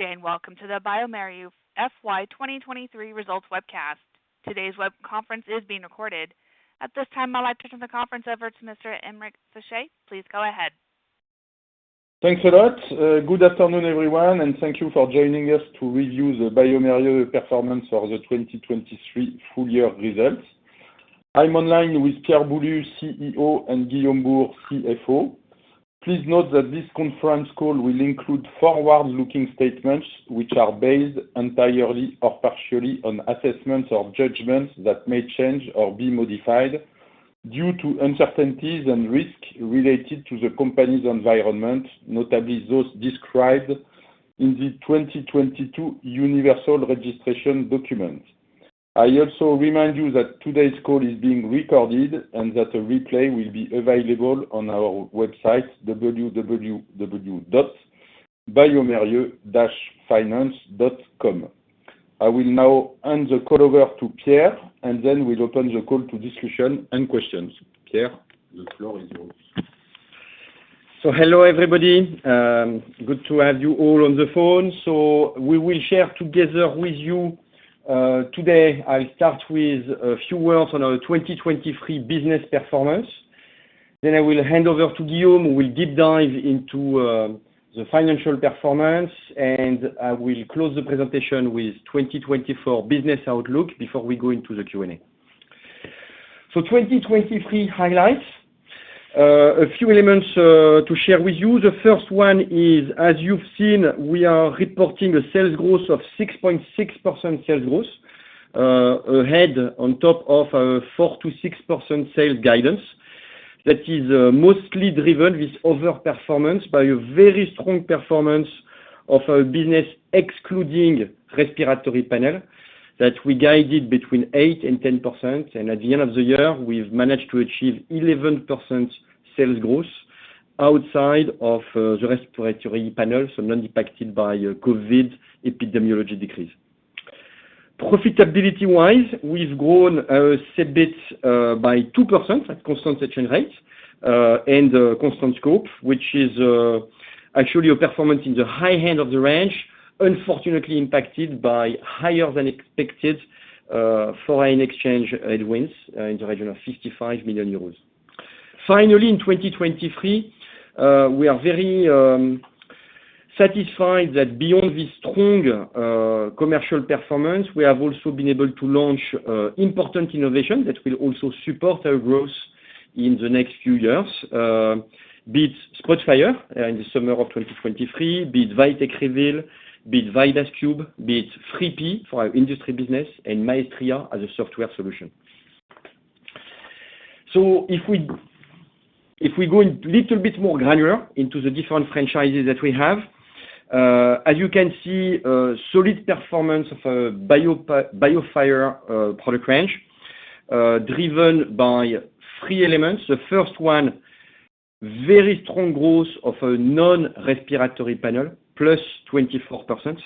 Good day, and welcome to the bioMérieux FY 2023 results webcast. Today's web conference is being recorded. At this time, I'd like to turn the conference over to Mr. Aymeric Fichet. Please go ahead. Thanks a lot. Good afternoon, everyone, and thank you for joining us to review the bioMérieux performance of the 2023 full year results. I'm online with Pierre Boulud, CEO, and Guillaume Bouhours, CFO. Please note that this conference call will include forward-looking statements, which are based entirely or partially on assessments or judgments that may change or be modified due to uncertainties and risks related to the company's environment, notably those described in the 2022 universal registration document. I also remind you that today's call is being recorded, and that a replay will be available on our website, www.biomerieux-finance.com. I will now hand the call over to Pierre, and then we'll open the call to discussion and questions. Pierre, the floor is yours. Hello, everybody. Good to have you all on the phone. We will share together with you today. I'll start with a few words on our 2023 business performance. Then I will hand over to Guillaume, who will deep dive into the financial performance. And I will close the presentation with 2024 business outlook before we go into the Q&A. 2023 highlights. A few elements to share with you. The first one is, as you've seen, we are reporting a sales growth of 6.6% sales growth, ahead on top of our 4%-6% sales guidance. That is, mostly driven with overperformance by a very strong performance of our business, excluding respiratory panel, that we guided between 8%-10%. And at the end of the year, we've managed to achieve 11% sales growth outside of the respiratory panel, so not impacted by a COVID epidemiology decrease. Profitability-wise, we've grown EBIT by 2% at constant exchange rates and constant scope, which is actually a performance in the high end of the range, unfortunately impacted by higher than expected foreign exchange headwinds in the region of 55 million euros. Finally, in 2023, we are very satisfied that beyond the strong commercial performance, we have also been able to launch important innovation that will also support our growth in the next few years. Be it SPOTFIRE in the summer of 2023. Be it VITEK REVEAL. Be it VIDAS KUBE. Be it 3P for our industry business, and MAESTRIA as a software solution. So if we go a little bit more granular into the different franchises that we have, as you can see, a solid performance of BIOFIRE product range, driven by three elements. The first one, very strong growth of a non-respiratory panel, +24%.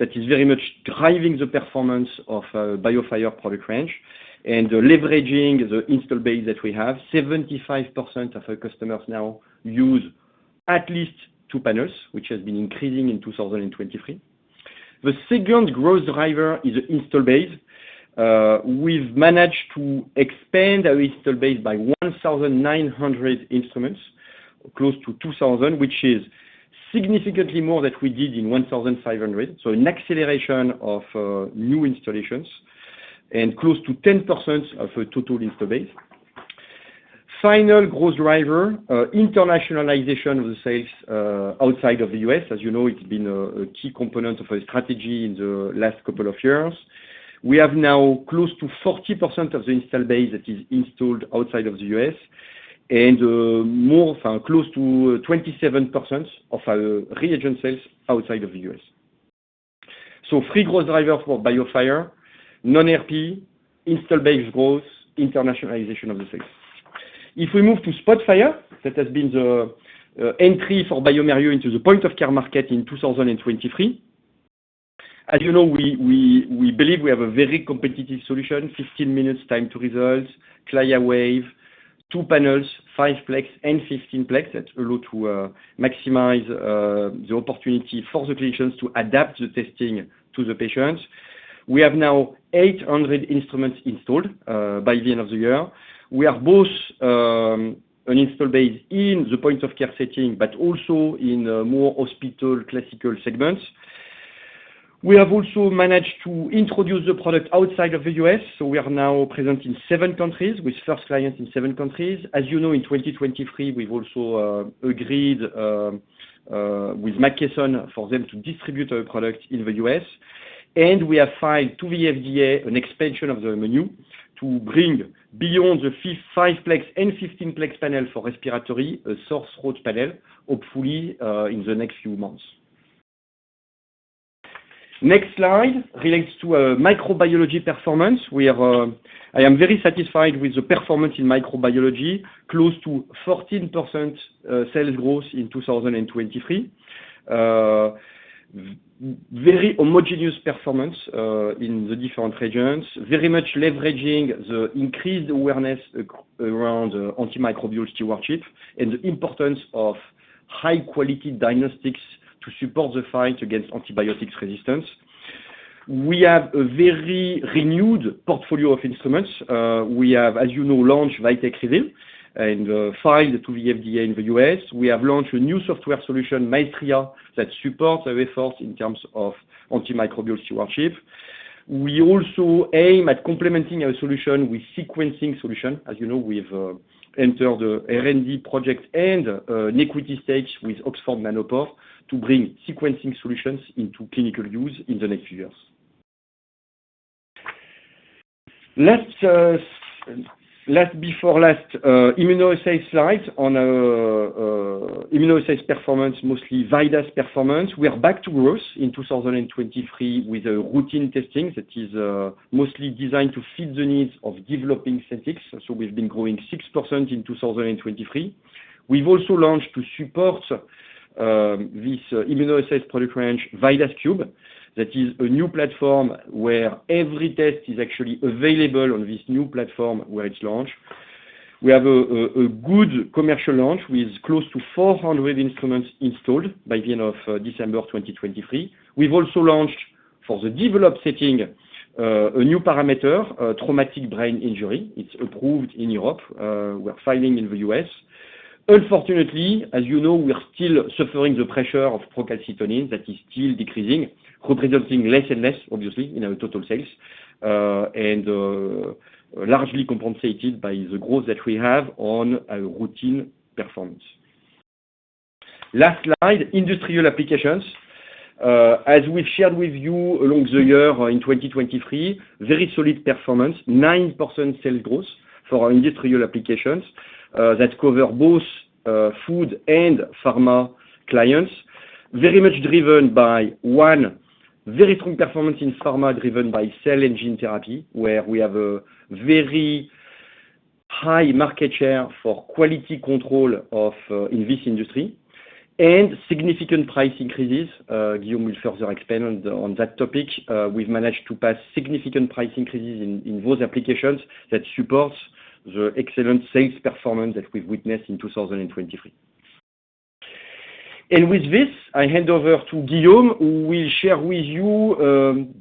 That is very much driving the performance of BIOFIRE product range and leveraging the install base that we have. 75% of our customers now use at least two panels, which has been increasing in 2023. The second growth driver is install base. We've managed to expand our install base by 1,900 instruments, close to 2,000, which is significantly more than we did in 1,500. So an acceleration of new installations and close to 10% of our total installed base. Final growth driver, internationalization of the sales outside of the U.S. As you know, it's been a key component of our strategy in the last couple of years. We have now close to 40% of the install base that is installed outside of the U.S., and close to 27% of our reagent sales outside of the U.S. So three growth drivers for BIOFIRE: non-RP, install base growth, internationalization of the sales. If we move to SPOTFIRE, that has been the entry for bioMérieux into the point-of-care market in 2023. As you know, we believe we have a very competitive solution. 15 minutes time to results, CLIA-waived, two panels, 5-plex, and 15-plex that allow to maximize the opportunity for the clinicians to adapt the testing to the patients. We have now 800 instruments installed by the end of the year. We are both an installed base in the point-of-care setting, but also in a more classical hospital segments. We have also managed to introduce the product outside of the U.S., so we are now present in seven countries, with first clients in seven countries. As you know, in 2023, we've also agreed with McKesson for them to distribute our product in the U.S. We have filed to the FDA an expansion of the menu to bring beyond the 5-plex and 15-plex panel for respiratory, a sore throat panel, hopefully in the next few months. Next slide relates to microbiology performance. I am very satisfied with the performance in microbiology, close to 14% sales growth in 2023. Very homogeneous performance in the different regions, very much leveraging the increased awareness around antimicrobial stewardship and the importance of high-quality diagnostics to support the fight against antibiotic resistance. We have a very renewed portfolio of instruments. As you know, we have launched VITEK REVEAL and filed to the FDA in the U.S. We have launched a new software solution, MAESTRIA, that supports our efforts in terms of antimicrobial stewardship. We also aim at complementing our solution with sequencing solution. As you know, we've entered the R&D project and an equity stage with Oxford Nanopore to bring sequencing solutions into clinical use in the next few years. Let's us, let before last, immunoassay slide, on immunoassay's performance, mostly VIDAS performance. We are back to growth in 2023 with a routine testing that is mostly designed to fit the needs of developing settings. So we've been growing 6% in 2023. We've also launched to support this immunoassay product range, VIDAS KUBE. That is a new platform where every test is actually available on this new platform where it's launched. We have a good commercial launch with close to 400 instruments installed by the end of December 2023. We've also launched for the developed setting, a new parameter, traumatic brain injury. It's approved in Europe. We're filing in the U.S. Unfortunately, as you know, we are still suffering the pressure of procalcitonin that is still decreasing, representing less and less, obviously, in our total sales. And largely compensated by the growth that we have on our routine performance. Last slide, industrial applications. As we've shared with you along the year in 2023, very solid performance, 9% sales growth for our industrial applications. That cover both, food and pharma clients. Very much driven by one very strong performance in pharma, driven by cell and gene therapy, where we have a very high market share for quality control of, in this industry, and significant price increases. Guillaume will further expand on that topic. We've managed to pass significant price increases in those applications that supports the excellent sales performance that we've witnessed in 2023. With this, I hand over to Guillaume, who will share with you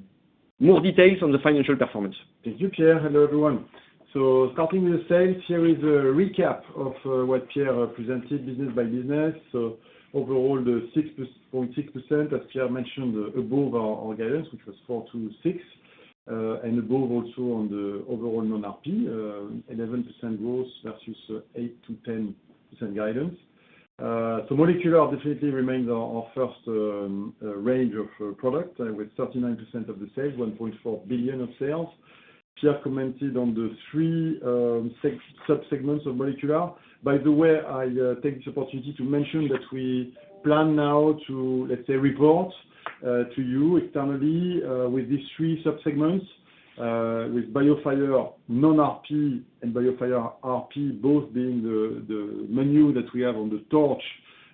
more details on the financial performance. Thank you, Pierre. Hello, everyone. So starting with sales, here is a recap of what Pierre presented business by business. So overall, the 6.6%, as Pierre mentioned, above our guidance, which was 4%-6%, and above also on the overall non-RP, 11% growth versus 8%-10% guidance. So molecular definitely remains our first range of product with 39% of the sales, 1.4 billion of sales. Pierre commented on the three subsegments of molecular. By the way, I take this opportunity to mention that we plan now to, let's say, report to you externally with these three subsegments with BIOFIRE non-RP and BIOFIRE RP, both being the menu that we have on the TORCH,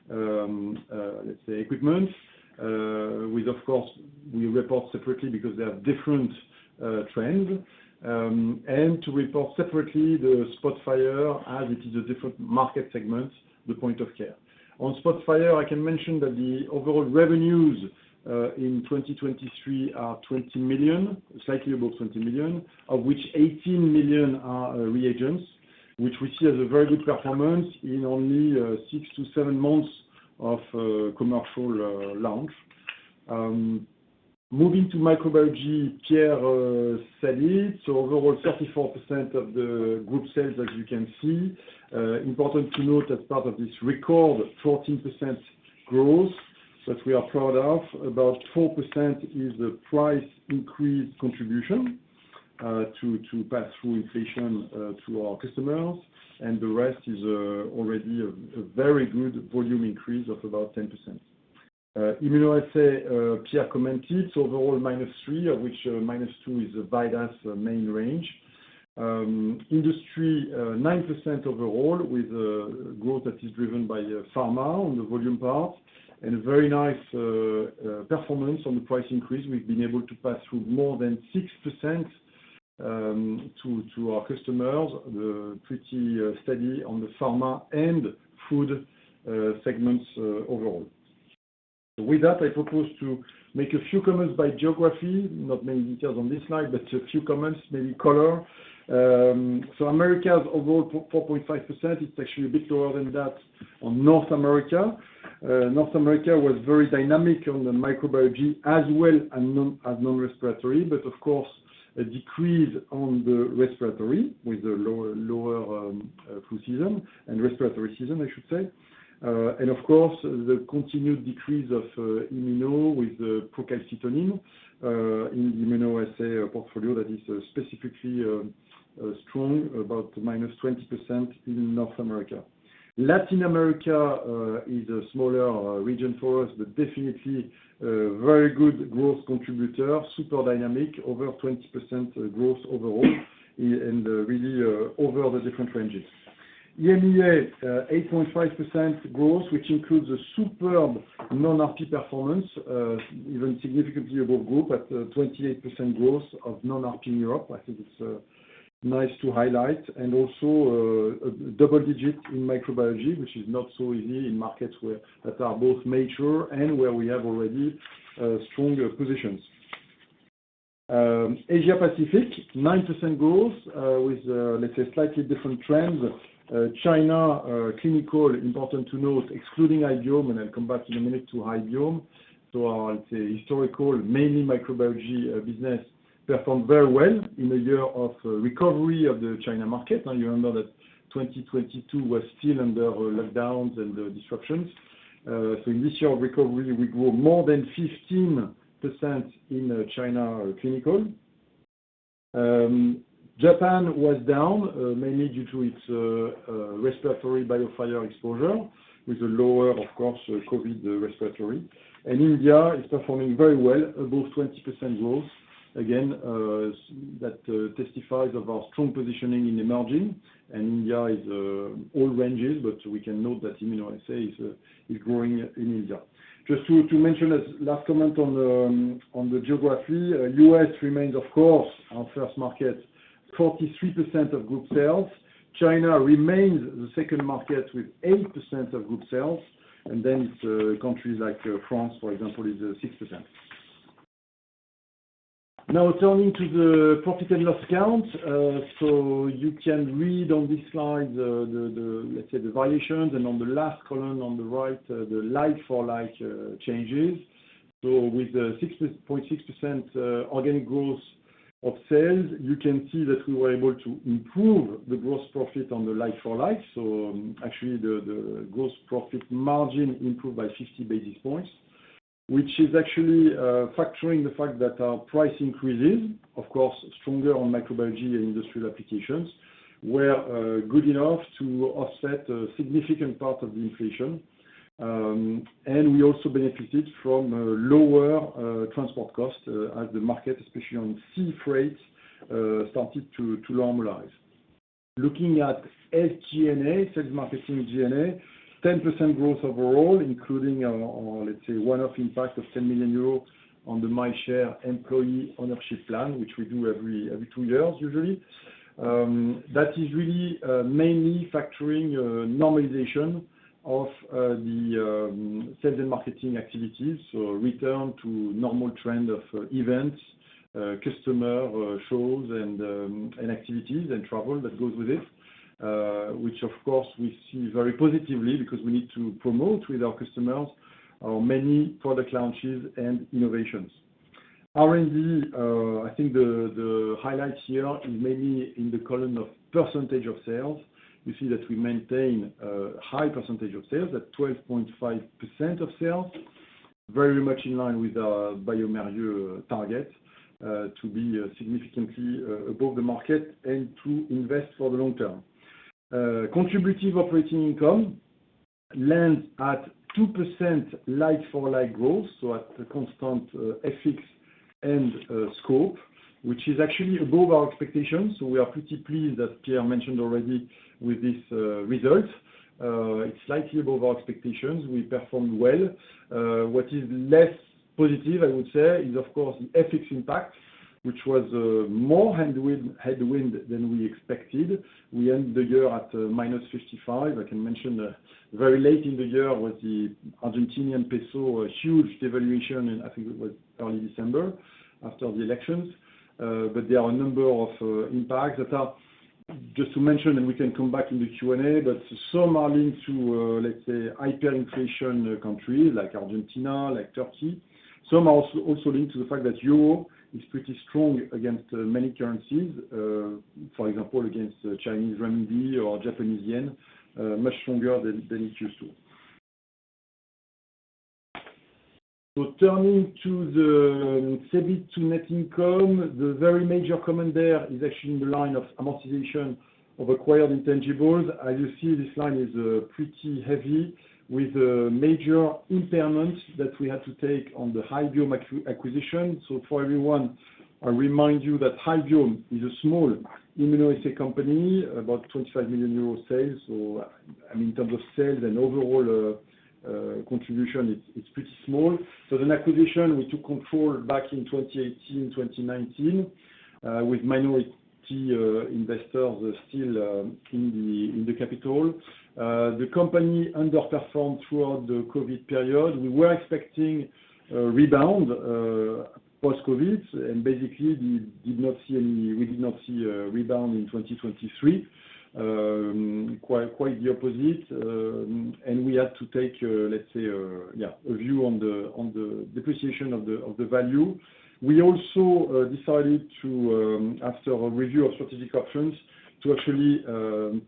let's say, equipment. With of course, we report separately because they have different trends. To report separately, the SPOTFIRE, as it is a different market segment, the point-of-care. On SPOTFIRE, I can mention that the overall revenues in 2023 are 20 million. Slightly above 20 million, of which 18 million are reagents, which we see as a very good performance in only six months to seven months of commercial launch. Moving to microbiology, Pierre said it. So overall, 34% of the group sales, as you can see. Important to note that part of this record 14% growth, that we are proud of, about 4% is the price increase contribution to pass through inflation to our customers, and the rest is already a very good volume increase of about 10%. Immunoassay, Pierre commented, so overall -3%, of which -2% is VIDAS' main range. Industry, 9% overall, with growth that is driven by pharma on the volume part, and a very nice performance on the price increase. We've been able to pass through more than 6%, to, to our customers, pretty steady on the pharma and food segments, overall. With that, I propose to make a few comments by geography. Not many details on this slide, but a few comments, maybe color. So Americas, overall, 4.5%, it's actually a bit lower than that on North America. North America was very dynamic on the microbiology as well and non, as non-respiratory. But of course, a decrease on the respiratory with a lower, lower, flu season and respiratory season, I should say. And of course, the continued decrease of, immuno with the procalcitonin, in the immunoassay portfolio that is specifically, strong, about -20% in North America. Latin America is a smaller region for us, but definitely a very good growss contributor, super dynamic, over 20% growth overall, and really over the different ranges. EMEA, 8.5% growth, which includes a superb non-RP performance, even significantly above group at 28% growth of non-RP in Europe. I think it's... Nice to highlight, and also, a double-digit in microbiology, which is not so easy in markets where that are both mature and where we have already stronger positions. Asia Pacific, 9% growth, with, let's say, slightly different trends. China, clinical important to note, excluding Hybiome, and I'll come back in a minute to Hybiome. So I'll say historical, mainly microbiology business performed very well in a year of recovery of the China market. Now, you remember that 2022 was still under lockdowns and disruptions. So in this year of recovery, we grew more than 15% in China clinical. Japan was down, mainly due to its respiratory BIOFIRE exposure with a lower, of course, COVID respiratory. And India is performing very well, above 20% growth. Again, that testifies of our strong positioning in emerging. India is all ranges, but we can note that immunoassays is growing in India. Just to mention as last comment on the geography, U.S. remains, of course, our first market, 43% of group sales. China remains the second market with 8% of group sales. And then it's countries like France, for example, is 6%. Now turning to the profit and loss count. You can read on this slide the, let's say, the variations, and on the last column on the right, the like-for-like changes. With the 16.6% organic growth of sales, you can see that we were able to improve the gross profit on the like-for-like. So actually, the gross profit margin improved by 50 basis points, which is actually factoring the fact that our price increases, of course, stronger on microbiology and industrial applications, were good enough to offset a significant part of the inflation. And we also benefited from lower transport costs as the market, especially on sea freight, started to normalize. Looking at SG&A, sales, marketing, G&A, 10% growth overall, including let's say, one-off impact of 10 million euros on the MyShare employee ownership plan, which we do every two years, usually. That is really mainly factoring normalization of the sales and marketing activities. So return to normal trend of events, customer shows and activities and travel that goes with it, which of course, we see very positively because we need to promote with our customers our many product launches and innovations. R&D, I think the highlights here is mainly in the column of percentage of sales. You see that we maintain a high percentage of sales at 12.5% of sales. Very much in line with our bioMérieux target, to be significantly above the market and to invest for the long term. Contributive operating income lands at 2% like-for-like growth, so at a constant FX and scope, which is actually above our expectations. So we are pretty pleased, as Pierre mentioned already, with this result. It's slightly above our expectations. We performed well. What is less positive I would say, is of course, the FX impact, which was more headwind than we expected. We end the year at -55 million. I can mention very late in the year with the Argentine peso, a huge devaluation, and I think it was early December after the elections. But there are a number of impacts that are... Just to mention, and we can come back in the Q&A, but some are linked to, let's say, hyperinflation countries like Argentina, like Turkey. Some are also linked to the fact that the euro is pretty strong against many currencies, for example, against Chinese renminbi or Japanese yen, much stronger than it used to. So turning to the EBIT to net income, the very major comment there is actually in the line of amortization of acquired intangibles. As you see, this line is pretty heavy, with a major impairment that we had to take on the Hybiome acquisition. So for everyone, I remind you that Hybiome is a small immunoassay company, about 25 million euro sales. So, I mean, in terms of sales and overall contribution, it's pretty small. So the acquisition, we took control back in 2018-2019, with minority investors still in the capital. The company underperformed throughout the COVID period. We were expecting a rebound post-COVID, and basically, we did not see any—we did not see a rebound in 2023. Quite, quite the opposite, and we had to take, let's say, yeah, a view on the depreciation of the value. We also decided to, after a review of strategic options, to actually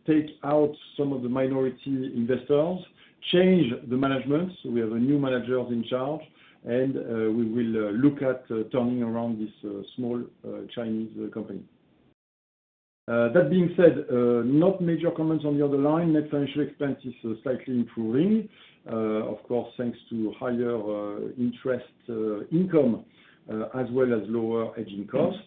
take out some of the minority investors, change the management. So we have a new manager in charge, and we will look at turning around this small Chinese company. That being said, not major comments on the other line. Net financial expenses slightly improving, of course, thanks to higher interest income, as well as lower hedging costs.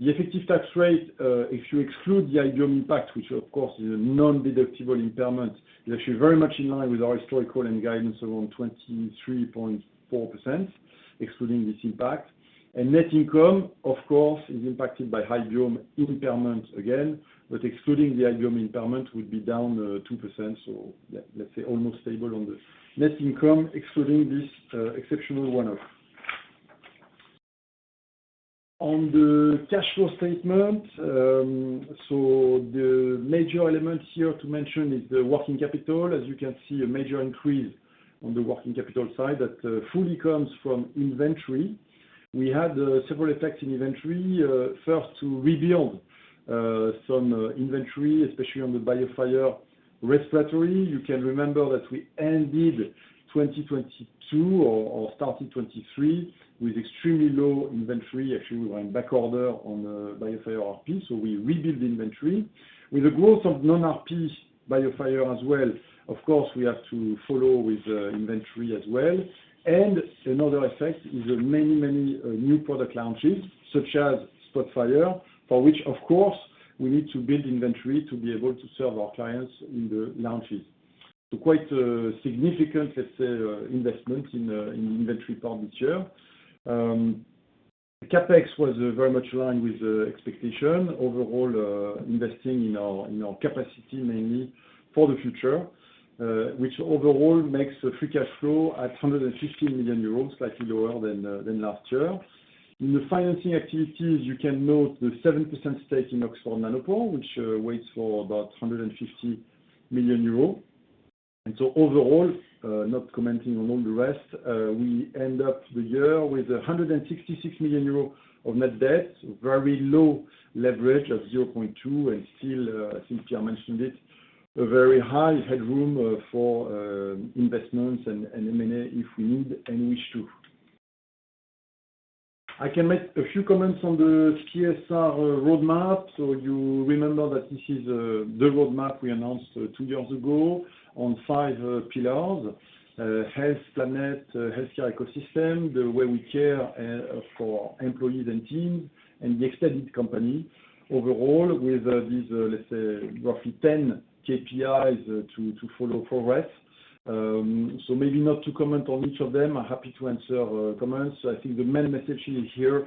The effective tax rate, if you exclude the Hybiome impact, which of course is a non-deductible impairment, is actually very much in line with our historical and guidance around 23.4%, excluding this impact. And net income, of course, is impacted by Hybiome impairment again, but excluding the Hybiome impairment would be down 2%. So yeah, let's say almost stable on the net income, excluding this, exceptional one-off. On the cash flow statement, so the major elements here to mention is the working capital. As you can see, a major increase on the working capital side that, fully comes from inventory. We had, several effects in inventory. First, to rebuild some inventory, especially on the BIOFIRE respiratory. You can remember that we ended 2022 or, or started 2023 with extremely low inventory. Actually, we were on back order on, BIOFIRE RP, so we rebuilt the inventory. With the growth of non-RPs BIOFIRE as well, of course, we have to follow with, inventory as well. Another effect is the many, many new product launches, such as SPOTFIRE, for which, of course, we need to build inventory to be able to serve our clients in the launches. So quite significant, let's say, investment in inventory part this year. CapEx was very much in line with expectation. Overall, investing in our capacity, mainly for the future, which overall makes the free cash flow at 150 million euros, slightly lower than last year. In the financing activities, you can note the 7% stake in Oxford Nanopore, which weighs about 150 million euros. And so overall, not commenting on all the rest, we end up the year with 166 million euros of net debt, very low leverage of 0.2x. And still, since Pierre mentioned it, a very high headroom for investments and M&A, if we need and wish to. I can make a few comments on the CSR roadmap. So you remember that this is the roadmap we announced two years ago on five pillars. Health, planet, healthier ecosystem, the way we care for employees and team, and the extended company. Overall, with these, let's say, roughly 10 KPIs to follow progress. So maybe not to comment on each of them. I'm happy to answer comments. I think the main message in here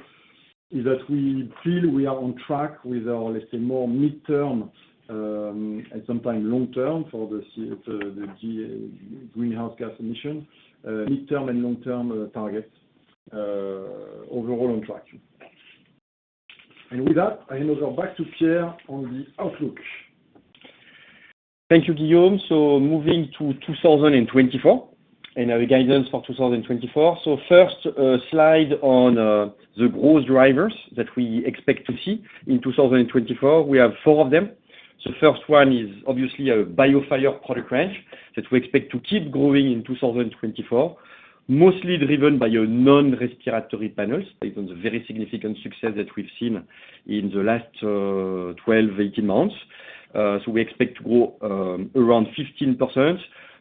is that we feel we are on track with our, let's say, more midterm and sometime long-term for the greenhouse gas emission midterm and long-term targets. Overall on track. And with that, I now go back to Pierre on the outlook. Thank you, Guillaume. Moving to 2024 and our guidance for 2024. First, slide on the growth drivers that we expect to see in 2024. We have four of them. First one is obviously our BIOFIRE product range that we expect to keep growing in 2024, mostly driven by our non-respiratory panels, based on the very significant success that we've seen in the last 12 months-18 months. We expect to grow around 15%.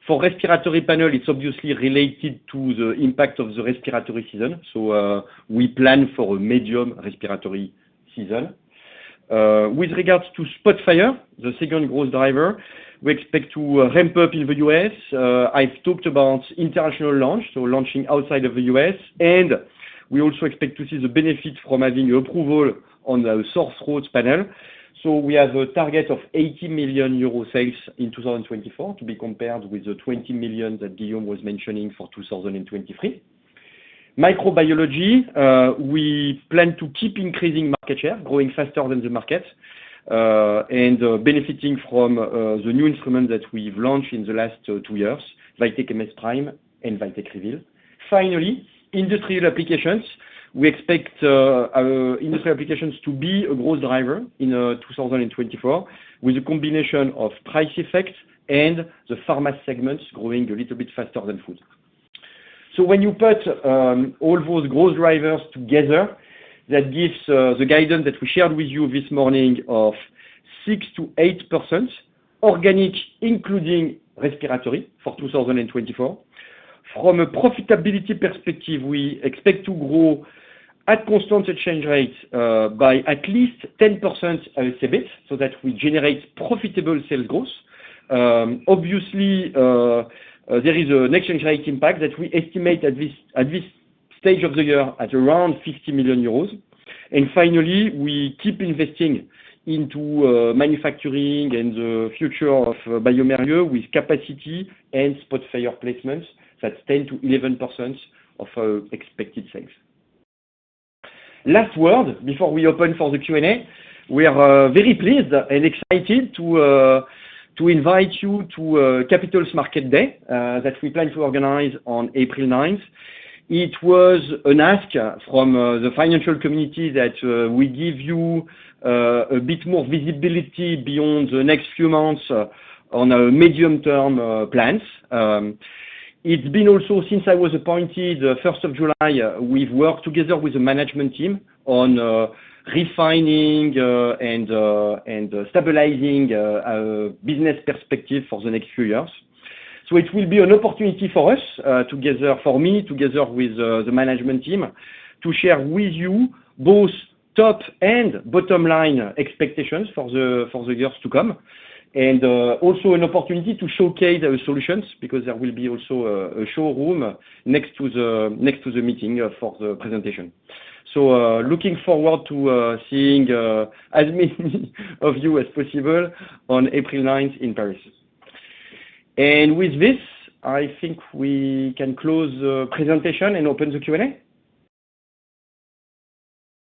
For respiratory panel, it's obviously related to the impact of the respiratory season. So we plan for a medium respiratory season. With regards to SPOTFIRE, the second growth driver, we expect to ramp up in the U.S. I've talked about international launch. So launching outside of the U.S., and we also expect to see the benefit from having the approval on the sore throat panel. So we have a target of 80 million euro sales in 2024, to be compared with the 20 million that Guillaume was mentioning for 2023. Microbiology, we plan to keep increasing market share, growing faster than the market. And benefiting from the new instrument that we've launched in the last two years, VITEK MS PRIME and VITEK REVEAL. Finally, industrial applications. We expect our industry applications to be a growth driver in 2024, with a combination of price effects and the pharma segments growing a little bit faster than food. So when you put all those growth drivers together, that gives the guidance that we shared with you this morning of 6%-8%, organic, including respiratory, for 2024. From a profitability perspective, we expect to grow at constant exchange rate by at least 10% EBIT, so that we generate profitable sales growth. Obviously, there is an exchange rate impact that we estimate at this stage of the year at around 50 million euros. And finally, we keep investing into manufacturing and the future of bioMérieux with capacity and SPOTFIRE placements, that's 10%-11% of expected sales. Last word before we open for the Q&A, we are very pleased and excited to invite you to Capital Markets Day that we plan to organize on April 9th. It was an ask from the financial community that we give you a bit more visibility beyond the next few months on our medium-term plans. It's been also since I was appointed first of July, we've worked together with the management team on refining and stabilizing our business perspective for the next few years. So it will be an opportunity for us, together for me, together with the management team to share with you both top and bottom line expectations for the years to come, and also an opportunity to showcase our solutions, because there will be also a showroom next to the meeting for the presentation. So looking forward to seeing as many of you as possible on April 9th in Paris. With this, I think we can close the presentation and open the Q&A.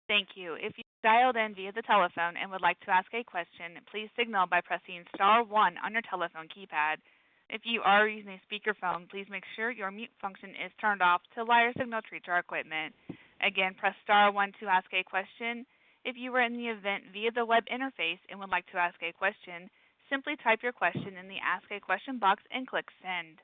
Thank you. If you dialed in via the telephone and would like to ask a question, please signal by pressing star one on your telephone keypad. If you are using a speakerphone, please make sure your mute function is turned off to allow your signal to reach our equipment. Again, press star one to ask a question. If you are in the event via the web interface and would like to ask a question, simply type your question in the Ask a Question box and click Send.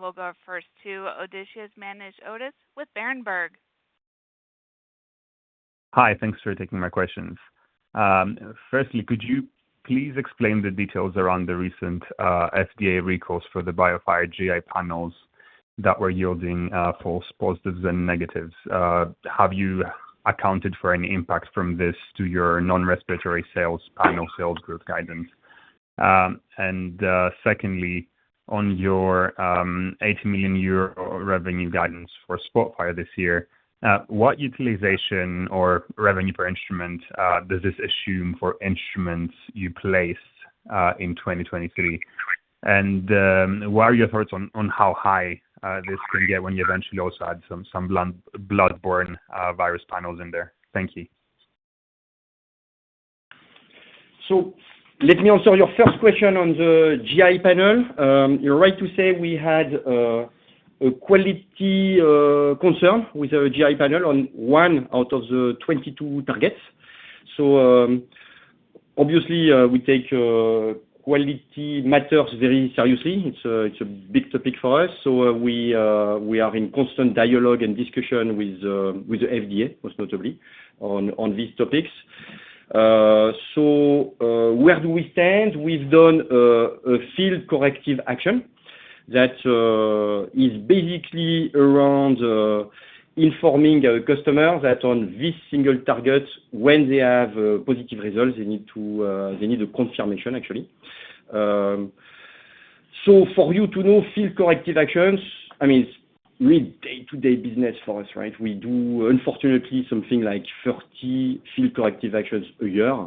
We'll go first to Odysseas Manesiotis with Berenberg. Hi, thanks for taking my questions. Firstly, could you please explain the details around the recent FDA recalls for the BIOFIRE GI panels that were yielding false positives and negatives? Have you accounted for any impact from this to your non-respiratory sales panel sales growth guidance? And secondly, on your 80 million euro revenue guidance for SPOTFIRE this year, what utilization or revenue per instrument does this assume for instruments you place in 2023? And what are your thoughts on how high this can get when you eventually also add some bloodborne virus panels in there? Thank you. So let me answer your first question on the GI panel. You're right to say we had a quality concern with the GI panel on one out of the 22 targets. So, obviously, we take quality matters very seriously. It's a big topic for us, so we are in constant dialogue and discussion with the FDA, most notably, on these topics. So, where do we stand? We've done a field corrective action that is basically around informing our customer that on this single target, when they have positive results, they need a confirmation, actually. So for you to know field corrective actions, I mean, it's really day-to-day business for us, right? We do, unfortunately, something like 30 field corrective actions a year.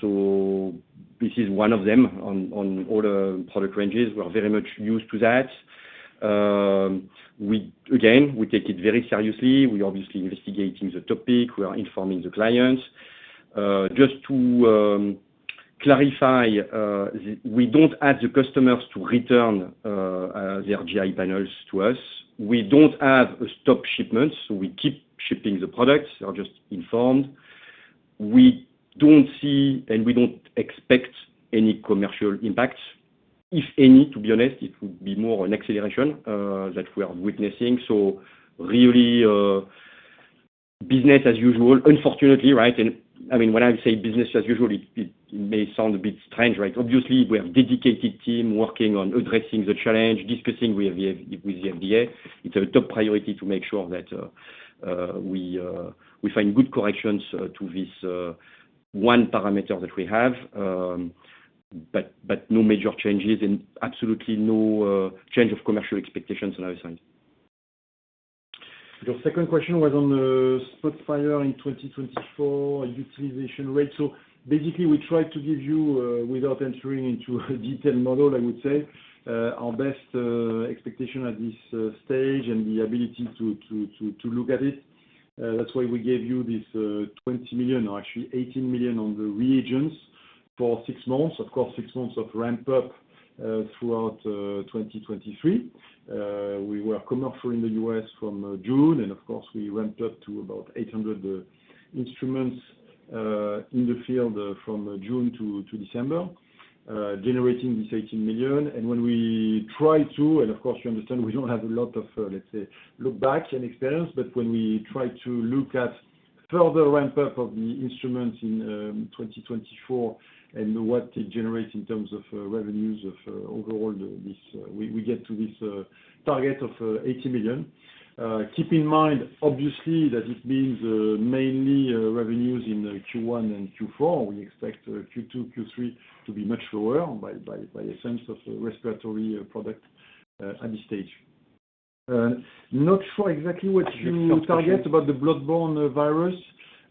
So this is one of them on all the product ranges. We are very much used to that. We again take it very seriously. We're obviously investigating the topic. We are informing the clients. Just to clarify, we don't ask the customers to return their GI panels to us. We don't have a stop shipment, so we keep shipping the products. They are just informed. We don't see, and we don't expect any commercial impact, if any, to be honest, it would be more an acceleration that we are witnessing. So really, business as usual, unfortunately, right? I mean, when I say business as usual, it may sound a bit strange, right? Obviously, we have dedicated team working on addressing the challenge, discussing with the FDA. It's a top priority to make sure that we find good corrections to this one parameter that we have, but no major changes and absolutely no change of commercial expectations on our side. Your second question was on the SPOTFIRE in 2024 utilization rate. So basically, we try to give you, without entering into a detailed model, I would say, our best, expectation at this, stage and the ability to look at it. That's why we gave you this, 20 million or actually 18 million on the reagents for six months. Of course, six months of ramp up throughout 2023. We were commercial in the U.S. from June, and of course, we ramped up to about 800 instruments in the field from June to December generating this 18 million. And when we try to... Of course, you understand. We don't have a lot of, let's say, look-back and experience. But when we try to look at further ramp up of the instruments in 2024, and what it generates in terms of revenues of overall this, we get to this target of 80 million. Keep in mind, obviously, that it means mainly revenues in Q1 and Q4. We expect Q2-Q3 to be much lower by essence of the respiratory product at this stage. Not sure exactly what you target about the bloodborne virus.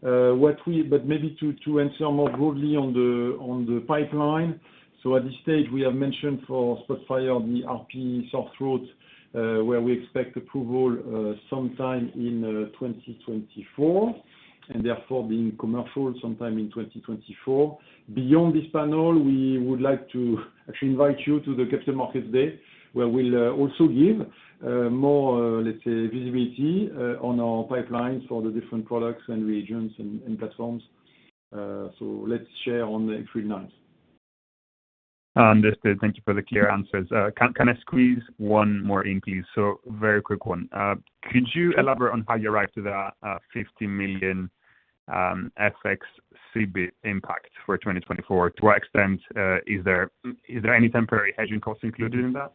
What we- but maybe to answer more broadly on the pipeline. So at this stage, we have mentioned for SPOTFIRE, the RP sore throat, where we expect approval sometime in 2024, and therefore being commercial sometime in 2024. Beyond this panel, we would like to actually invite you to the Capital Markets Day, where we'll also give more, let's say, visibility on our pipelines for the different products and regions and, and platforms. So let's share on April 9. Understood. Thank you for the clear answers. Can I squeeze one more in, please? So very quick one. Could you elaborate on how you arrived to the 50 million FX cEBIT impact for 2024, to what extent is there any temporary hedging costs included in that?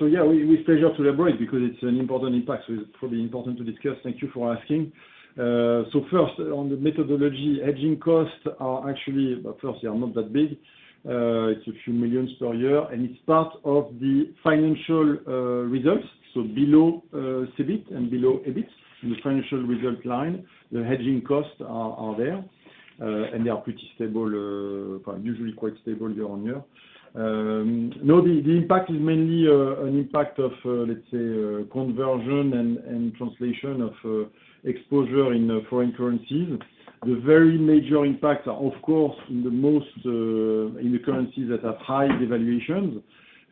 So yeah. We're pleased to elaborate because it's an important impact, so it's probably important to discuss. Thank you for asking. So first, on the methodology, hedging costs are actually, well, first, they are not that big. It's a few million EUR per year, and it's part of the financial results. So below EBITDA and below EBIT, in the financial result line, the hedging costs are there. And they are pretty stable, usually quite stable year-on-year. No, the impact is mainly an impact of, let's say, conversion and translation of exposure in foreign currencies. The very major impacts are, of course, in the most in the currencies that have high devaluations.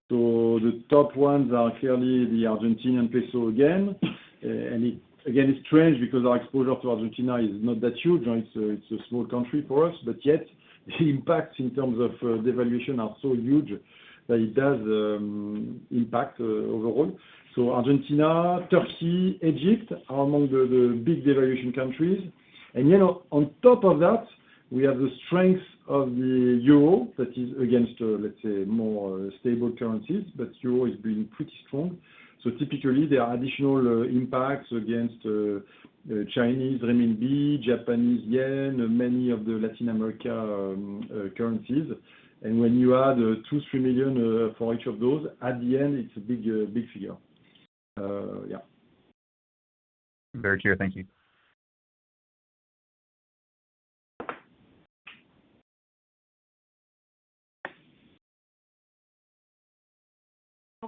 So the top ones are clearly the Argentine peso again. It again, it's strange because our exposure to Argentina is not that huge, right? So it's a small country for us, but yet the impacts in terms of devaluation are so huge that it does impact overall. So Argentina, Turkey, Egypt are among the big devaluation countries. And you know, on top of that, we have the strength of the euro that is against, let's say, more stable currencies, but euro is being pretty strong. So typically, there are additional impacts against Chinese renminbi, Japanese yen, many of the Latin America currencies. And when you add 2 million-3 million for each of those, at the end, it's a big big figure. Yeah. Very clear. Thank you.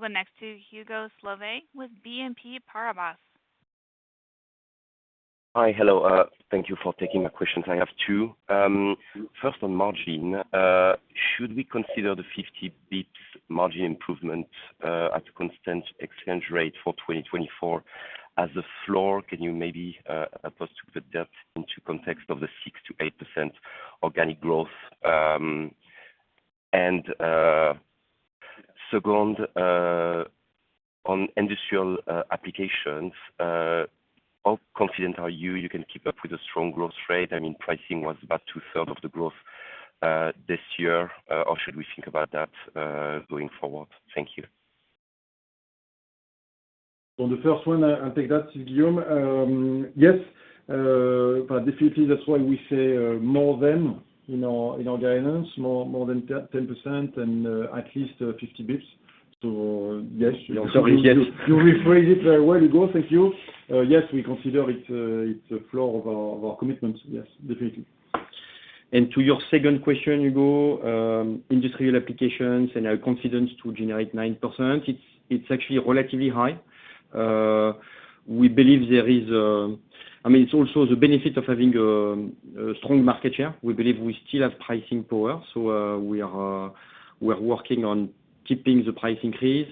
We'll go next to Hugo Solvet with BNP Paribas. Hi. Hello. Thank you for taking my questions. I have two. First, on margin, should we consider the 50 basis points margin improvement at a constant exchange rate for 2024 as a floor? Can you maybe elaborate on the depth into context of the 6%-8% organic growth? And second, on industrial applications, how confident are you you can keep up with a strong growth rate? I mean, pricing was about 2/3 of the growth this year. Or should we think about that going forward? Thank you. On the first one, I'll take that, Guillaume. Yes, but definitely, that's why we say, in our guidance, more than 10% and at least 50 basis points. So yes- Sorry, yes. You rephrase it very well, Hugo. Thank you. Yes, we consider it a floor of our commitment. Yes, definitely. To your second question, Hugo, industrial applications and our confidence to generate 9%, it's actually relatively high. We believe there is. I mean, it's also the benefit of having a strong market share. We believe we still have pricing power, so we're working on keeping the price increase.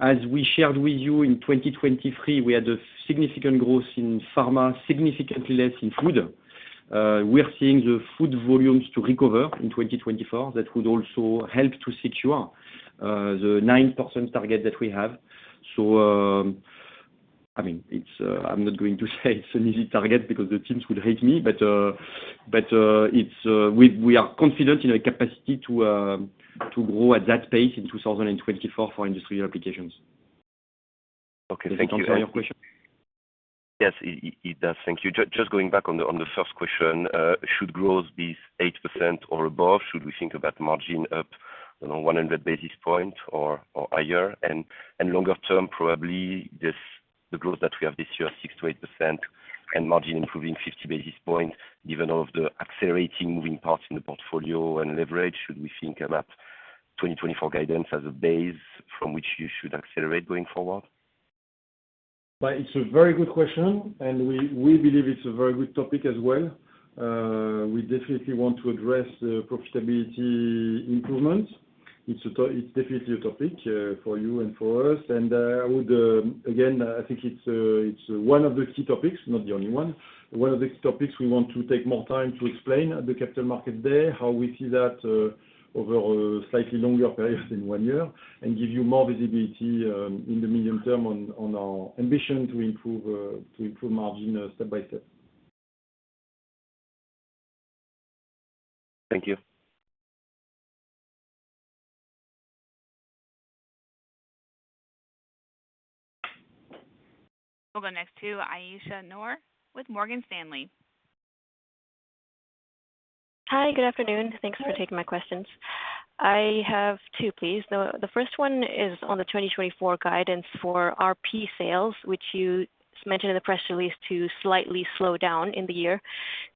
As we shared with you in 2023, we had a significant growth in pharma, significantly less in food. We're seeing the food volumes to recover in 2024. That would also help to secure the 9% target that we have. I mean, I'm not going to say it's an easy target because the teams would hate me. But we are confident in our capacity to grow at that pace in 2024 for industrial applications. Okay, thank you. Does that answer your question? Yes, it does. Thank you. Just going back on the first question, should growth be 8% or above, should we think about margin up, you know, 100 basis points or higher? And longer term, probably, the growth that we have this year, 6%-8%, and margin improving 50 basis points. Given all of the accelerating moving parts in the portfolio and leverage, should we think about 2024 guidance as a base from which you should accelerate going forward? But it's a very good question, and we believe it's a very good topic as well. We definitely want to address the profitability improvement. It's definitely a topic for you and for us. And I would, again, I think it's one of the key topics, not the only one. One of the key topics we want to take more time to explain at the Capital Markets Day, how we see that over a slightly longer period than one year. And give you more visibility in the medium term on our ambition to improve to improve margin step by step. Thank you. We'll go next to Aisyah Noor with Morgan Stanley. Hi, good afternoon. Thanks for taking my questions. I have two, please. The first one is on the 2024 guidance for RP sales, which you mentioned in the press release to slightly slow down in the year.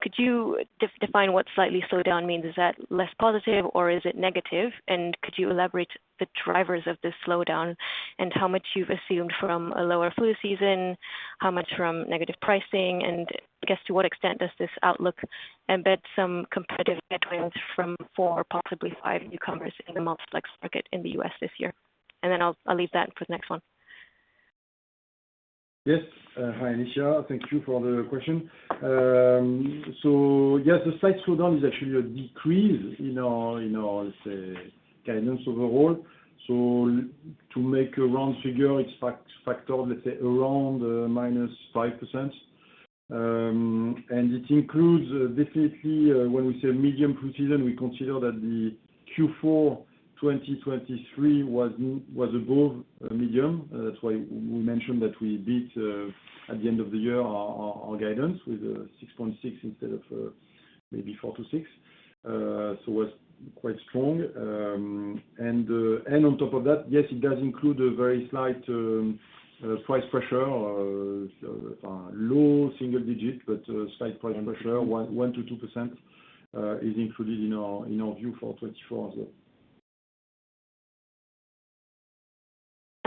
Could you define what slightly slow down means? Is that less positive or is it negative? And could you elaborate the drivers of this slowdown, and how much you've assumed from a lower flu season? how much from negative pricing, and I guess to what extent does this outlook embed some competitive headwinds from four, possibly five, newcomers in the multiplex market in the U.S. this year? And then I'll leave that for the next one. Yes. Hi, Aisyah. Thank you for the question. So yes, the slight slowdown is actually a decrease in our, let's say, guidance overall. So to make a round figure, it's factored, let's say, around -5%. And it includes definitely when we say medium pre-season, we consider that the Q4 2023 was above medium. That's why we mentioned that we beat at the end of the year our guidance with 6.6% instead of maybe 4%-6%. So it was quite strong. And on top of that, yes, it does include a very slight price pressure, so low single digit, but slight price pressure, 1%-2% is included in our view for 2024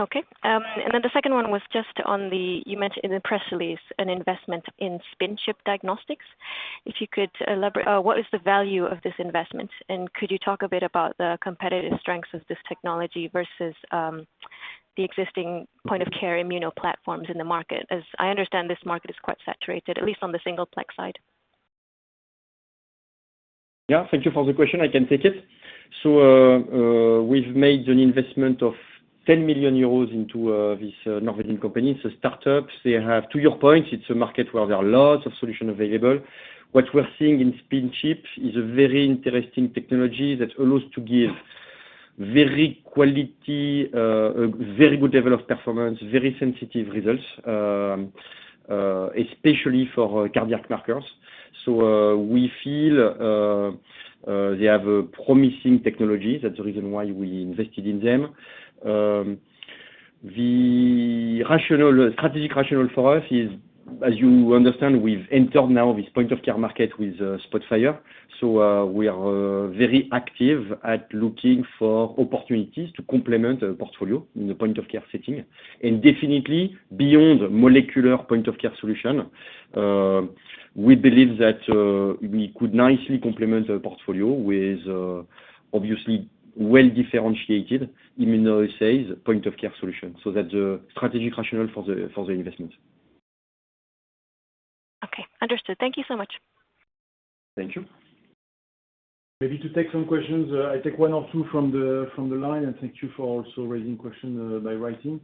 as well. Okay. And then the second one was just on the, you mentioned in the press release. An investment in SpinChip Diagnostics. If you could elaborate, what is the value of this investment? And could you talk a bit about the competitive strengths of this technology versus, the existing point-of-care immuno platforms in the market? As I understand, this market is quite saturated, at least on the single plex side. Yeah, thank you for the question. I can take it. So, we've made an investment of 10 million euros into this Norwegian company. It's a startup. They have, to your point, it's a market where there are lots of solutions available. What we're seeing in SpinChip is a very interesting technology that allows to give very quality, a very good level of performance, very sensitive results, especially for cardiac markers. So, we feel they have a promising technology. That's the reason why we invested in them. The rationale, strategic rationale for us is, as you understand, we've entered now this point-of-care market with SPOTFIRE. So, we are very active at looking for opportunities to complement the portfolio in the point-of-care setting. And definitely, beyond molecular point-of-care solution, we believe that we could nicely complement our portfolio with obviously, well-differentiated immunoassays point-of-care solution. So that's the strategic rationale for the investment. Okay, understood. Thank you so much. Thank you. Maybe to take some questions, I take one or two from the line, and thank you for also raising questions by writing.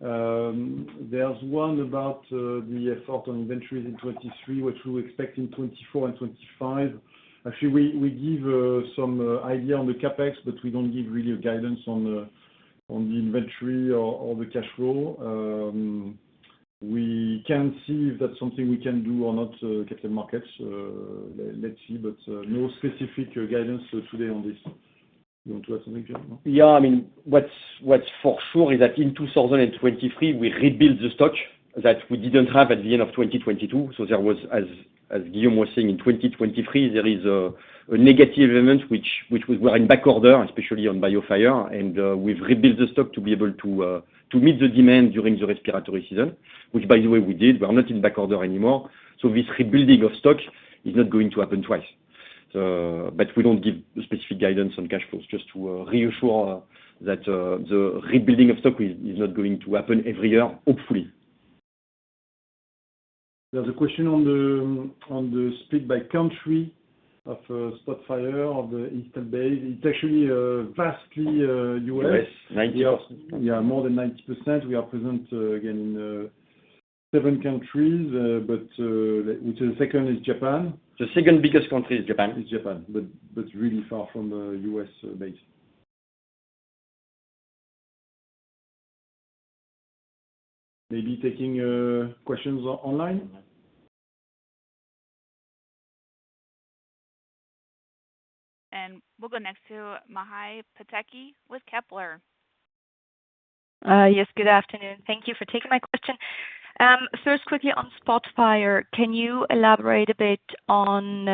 There's one about the effort on inventories in 2023, what you expect in 2024 and 2025? Actually, we give some idea on the CapEx, but we don't give really a guidance on the inventory or the cash flow. We can see if that's something we can do or not, Capital Markets. Let's see, but no specific guidance today on this. You want to add something, Pierre, no? Yeah, I mean, what's for sure is that in 2023, we rebuilt the stock that we didn't have at the end of 2022. So there was, as Guillaume was saying, in 2023, there is a negative event which we were in backorder, especially on BIOFIRE. And we've rebuilt the stock to be able to meet the demand during the respiratory season, which, by the way, we did. We are not in backorder anymore. So this rebuilding of stock is not going to happen twice. But we don't give specific guidance on cash flows just to reassure that the rebuilding of stock is not going to happen every year, hopefully. There's a question on the split by country of SPOTFIRE, of the install base. It's actually vastly U.S. U.S., 90%. Yeah, more than 90%. We are present again in seven countries, but the second is Japan. The second biggest country is Japan. It's Japan, but really far from the U.S. base. Maybe taking questions online. We'll go next to Maja Pataki with Kepler. Yes, good afternoon. Thank you for taking my question. First, quickly on SPOTFIRE, can you elaborate a bit on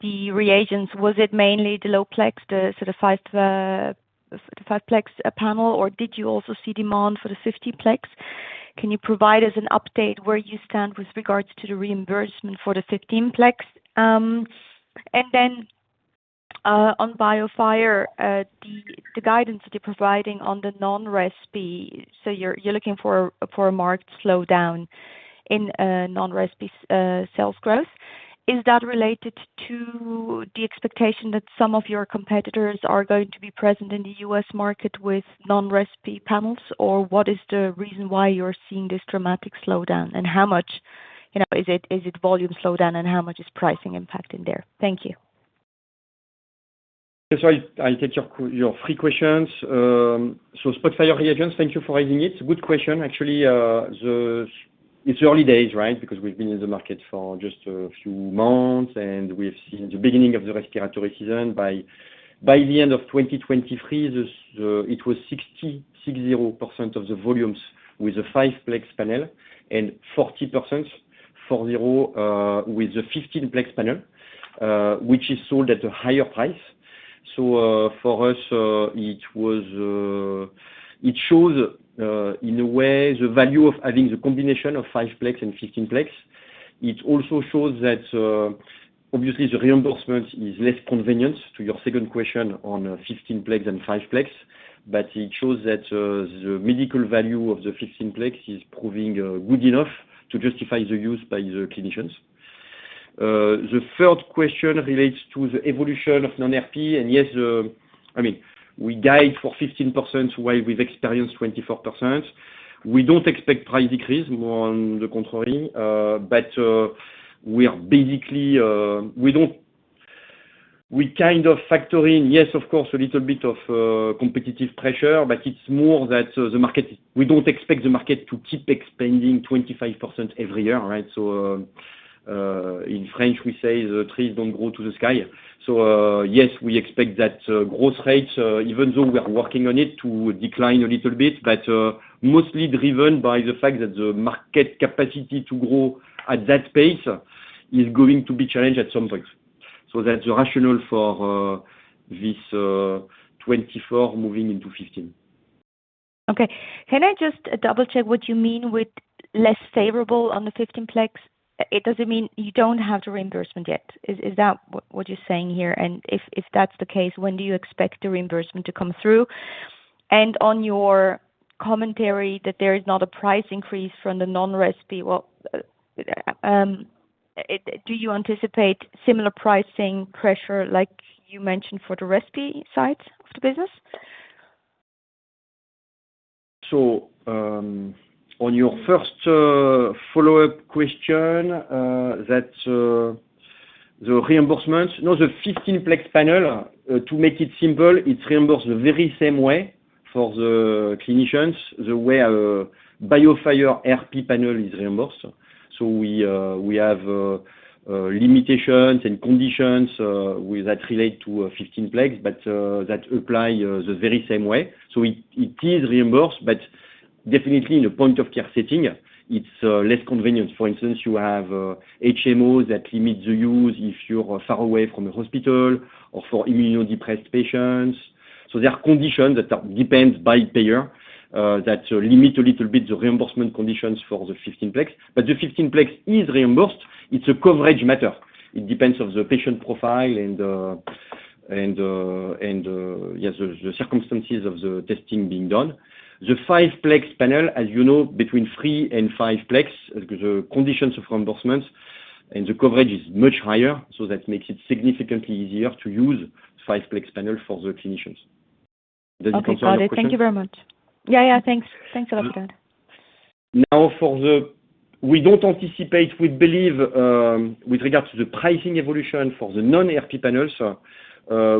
the reagents? Was it mainly the low-plex, the sort of the 5-plex panel, or did you also see demand for the 15-plex? Can you provide us an update where you stand with regards to the reimbursement for the 15-plex? And then, on BIOFIRE, the guidance that you're providing on the non-respiratory, so you're looking for a marked slowdown in non-respiratory sales growth. Is that related to the expectation that some of your competitors are going to be present in the U.S. market with non-respiratory panels? Or what is the reason why you're seeing this dramatic slowdown? How much, you know, is it, is it volume slowdown, and how much is pricing impact in there? Thank you. So I take your three questions. So SPOTFIRE reagents, thank you for raising it. Good question. Actually, it's early days, right? Because we've been in the market for just a few months, and we've seen the beginning of the respiratory season. By the end of 2023, it was 60% of the volumes with a 5-plex panel and 40% with the 15-plex panel, which is sold at a higher price. So for us, it was. It shows, in a way, the value of having the combination of 5-plex and 15-plex. It also shows that, obviously, the reimbursement is less convenient to your second question on 15-plex than 5-plex. It shows that the medical value of the 15-plex is proving good enough to justify the use by the clinicians. The third question relates to the evolution of non-RP. And yes, I mean, we guide for 15% while we've experienced 24%. We don't expect price decrease, more on the contrary, but we are basically we kind of factor in, yes, of course, a little bit of competitive pressure. But it's more that the market. We don't expect the market to keep expanding 25% every year, right? So, in French, we say, the trees don't grow to the sky. So, yes, we expect that growth rates, even though we are working on it, to decline a little bit, but mostly driven by the fact that the market capacity to grow at that pace is going to be challenged at some point. So that's the rationale for this 24% moving into 15. Okay. Can I just double-check what you mean with less favorable on the 15-plex? It doesn't mean you don't have the reimbursement yet. Is that what you're saying here? And if that's the case, w-en do you expect the reimbursement to come through? And on your commentary that there is not a price increase from the non-respi, well, do you anticipate similar pricing pressure like you mentioned for the respi side of the business? So, on your first follow-up question, that the reimbursements. No, the 15-plex panel, to make it simple, it reimburses the very same way for the clinicians, the way BIOFIRE RP panel is reimbursed. So we have limitations and conditions with that relate to 15-plex, but that apply the very same way. So it is reimbursed, but definitely in a point-of-care setting, it's less convenient. For instance, you have HMOs that limit the use if you're far away from the hospital or for immunodepressed patients. So there are conditions that are depends by payer that limit a little bit the reimbursement conditions for the 15-plex. But the 15-plex is reimbursed, it's a coverage matter. It depends on the patient profile and yes, the circumstances of the testing being done. The 5-plex panel, as you know, between 3-plex and 5-plex, the conditions of reimbursements and the coverage is much higher, so that makes it significantly easier to use 5-plex panel for the clinicians. Does it answer your question? Okay, got it. Thank you very much. Yeah, yeah, thanks. Thanks a lot, Pierre. We don't anticipate, we believe, with regard to the pricing evolution for the non-RP panels,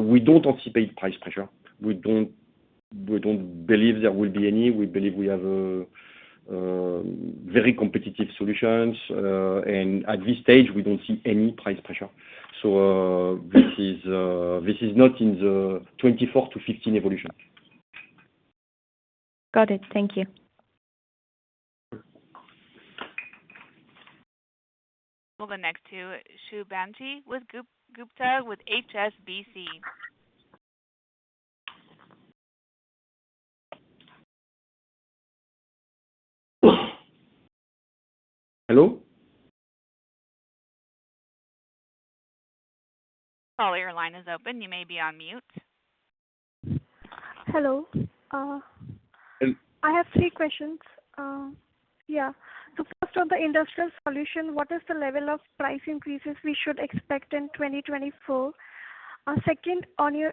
we don't anticipate price pressure. We don't, we don't believe there will be any. We believe we have very competitive solutions, and at this stage, we don't see any price pressure. So, this is, this is not in the 24-15 evolution. Got it. Thank you. We'll go next to Shubhangi Gupta with HSBC. Hello? Call, your line is open. You may be on mute. Hello. Uh- Hello. I have three questions. The first on the industrial solution, what is the level of price increases we should expect in 2024? Second, on your,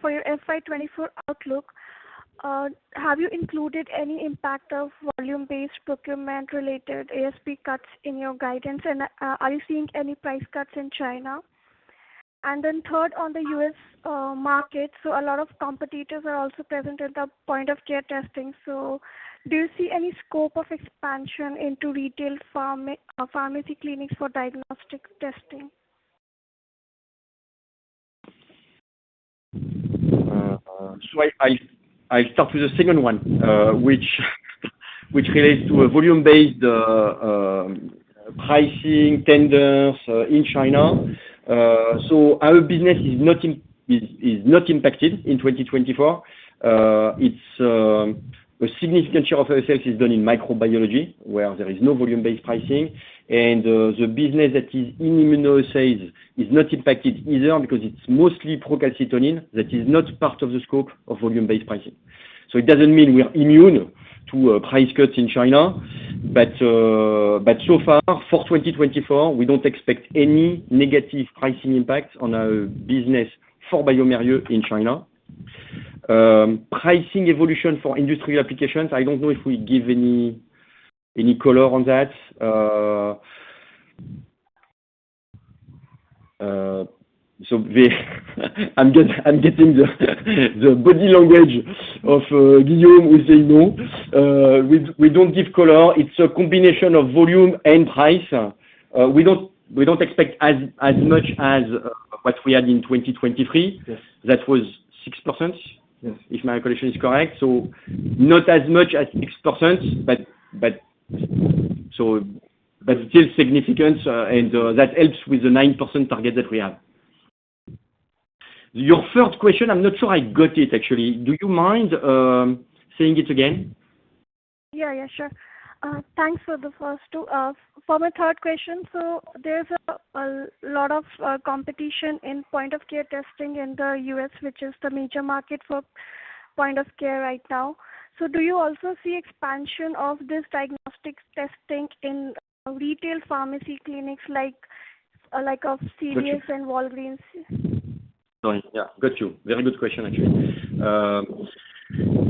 for your FY 2024 outlook, have you included any impact of volume-based procurement-related ASP cuts in your guidance? And, are you seeing any price cuts in China? And then third, on the U.S. market, so a lot of competitors are also present at the point of care testing. So do you see any scope of expansion into retail pharmacy clinics for diagnostic testing? I'll start with the second one, which relates to a volume-based pricing tendency in China. Our business is not impacted in 2024. It's a significant share of our sales is done in microbiology, where there is no volume-based pricing. The business that is in immunoassays is not impacted either, because it's mostly procalcitonin that is not part of the scope of volume-based pricing. It doesn't mean we are immune to price cuts in China, but so far, for 2024, we don't expect any negative pricing impacts on our business for bioMérieux in China. Pricing evolution for industrial applications, I don't know if we give any color on that. I'm getting the body language of Guillaume, who say no. We don't give color. It's a combination of volume and price. We don't expect as much as what we had in 2023. Yes. That was 6%- Yes. - if my recollection is correct. So not as much as 6%. But still significant, and that helps with the 9% target that we have. Your third question, I'm not sure I got it actually. Do you mind saying it again? Yeah, yeah, sure. Thanks for the first two. For my third question, so there's a lot of competition in point of care testing in the U.S., which is the major market for point of care right now. So do you also see expansion of this diagnostic testing in retail pharmacy clinics like CVS and Walgreens? Sorry, yeah. Got you. Very good question, actually.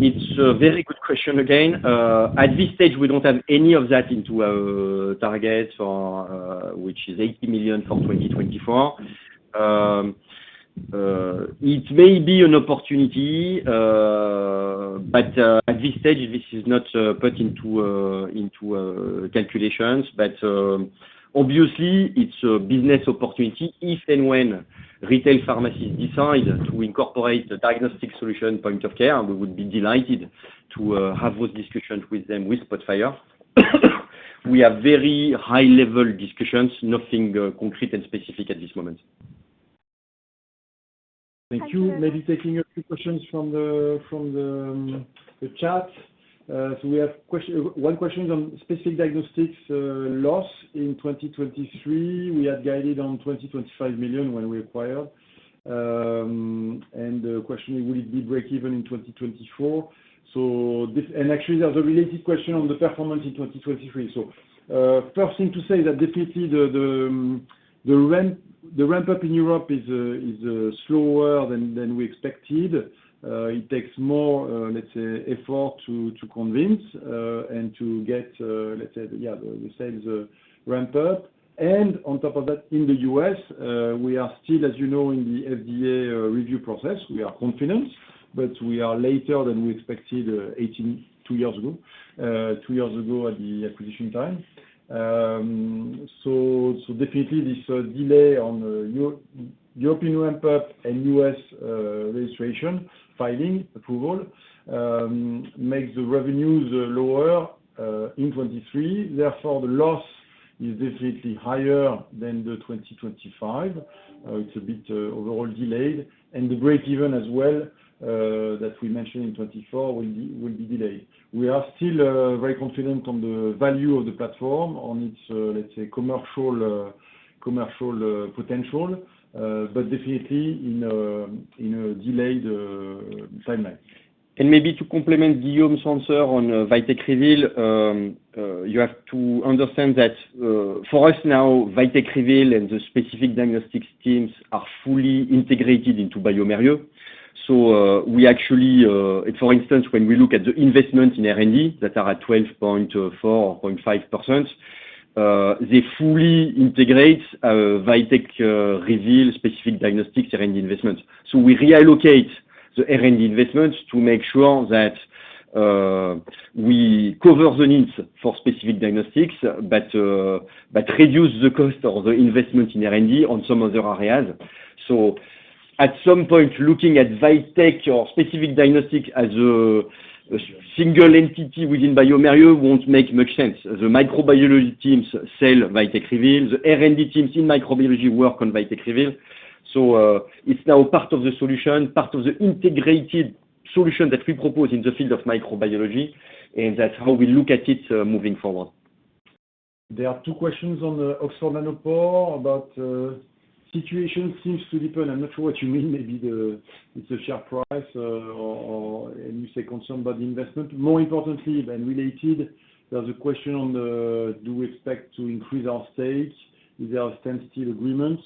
It's a very good question again. At this stage, we don't have any of that into our target for, which is 80 million for 2024. It may be an opportunity, but at this stage, this is not put into calculations. But, obviously, it's a business opportunity. If and when retail pharmacies decide to incorporate the diagnostic solution point of care, we would be delighted to have those discussions with them, with SPOTFIRE. We have very high-level discussions, nothing concrete and specific at this moment. Thank you. Thank you. Maybe taking a few questions from the chat. So we have one question on Specific Diagnostics loss in 2023. We had guided on 25 million when we acquired. And the question, will it be breakeven in 2024? So this—and actually, there's a related question on the performance in 2023. So, first thing to say that definitely the ramp-up in Europe is slower than we expected. It takes more, let's say, effort to convince and to get the sales ramp up. And on top of that, in the U.S., we are still, as you know, in the FDA review process. We are confident, but we are later than we expected, eighteen... Two years ago at the acquisition time. So, definitely this delay on European ramp-up and U.S. registration, filing, approval makes the revenues lower in 2023. Therefore, the loss is definitely higher than the 2025. It's a bit overall delayed, and the breakeven as well that we mentioned in 2024 will be delayed. We are still very confident on the value of the platform, on its, let's say, commercial potential, but definitely in a delayed timeline. Maybe to complement Guillaume's answer on VITEK REVEAL, you have to understand that, for us now, VITEK REVEAL and the Specific Diagnostics teams are fully integrated into bioMérieux. So, we actually, for instance, when we look at the investment in R&D, that are at 12.4%-12.5%, they fully integrate VITEK REVEAL Specific Diagnostics R&D investment. So we reallocate the R&D investments to make sure that, we cover the needs for Specific Diagnostics, but reduce the cost of the investment in R&D on some other areas. So at some point, looking at VITEK or Specific Diagnostics as a single entity within bioMérieux won't make much sense. The microbiology teams sell VITEK REVEAL. The R&D teams in microbiology work on VITEK REVEAL. So, it's now part of the solution, part of the integrated solution that we propose in the field of microbiology, and that's how we look at it, moving forward. There are two questions on the Oxford Nanopore about situation seems to depend. I'm not sure what you mean, maybe it's the share price, or and you say concerned about the investment. More importantly, then related, there's a question on the: Do we expect to increase our stake? Is there a sensitivity agreement?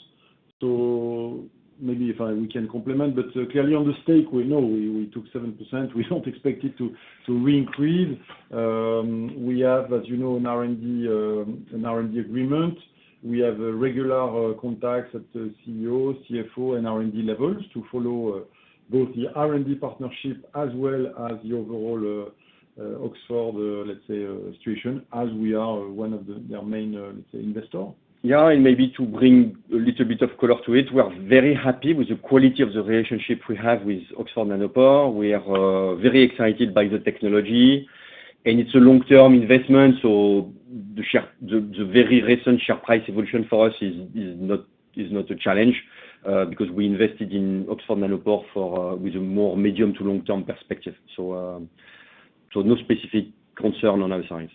So maybe if I, we can complement, but clearly on the stake, we know we took 7%. We don't expect it to re-increase. We have, as you know, an R&D agreement. We have regular contacts at the CEO, CFO, and R&D levels to follow both the R&D partnership, as well as the overall Oxford, let's say, situation, as we are one of their main, let's say, investor. Yeah, and maybe to bring a little bit of color to it, we are very happy with the quality of the relationship we have with Oxford Nanopore. We are very excited by the technology, and it's a long-term investment, so the very recent share price evolution for us is not a challenge, because we invested in Oxford Nanopore for with a more medium to long-term perspective. So, so no specific concern on our side.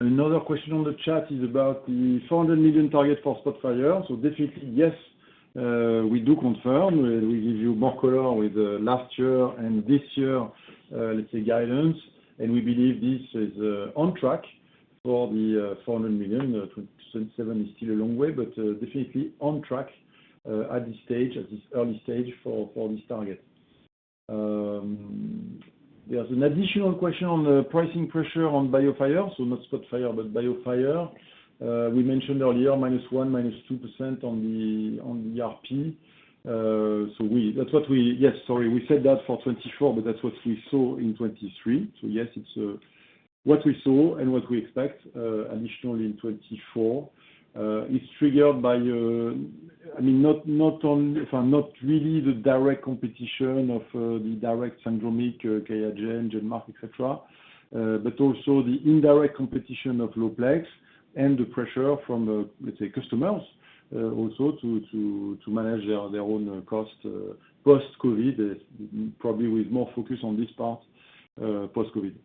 Another question on the chat is about the 400 million target for SPOTFIRE. So definitely, yes, we do confirm. We give you more color with last year and this year, let's say, guidance, and we believe this is on track for the 400 million. 2027 is still a long way, but definitely on track at this stage, at this early stage, for this target. There's an additional question on the pricing pressure on BIOFIRE. So not SPOTFIRE, but BIOFIRE. We mentioned earlier, -1%-2% on the RP. So that's what we... Yes, sorry, we said that for 2024, but that's what we saw in 2023. So yes, it's what we saw and what we expect additionally in 2024 is triggered by, I mean, not only the direct competition of the direct syndromic, Qiagen, GenMark, et cetera, but also the indirect competition of low-plex and the pressure from, let's say, customers also to manage their own cost post-COVID, probably with more focus on this part post-COVID. ...More,